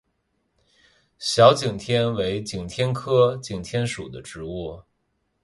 小景天为景天科景天属的植物。